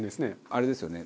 あれですよね。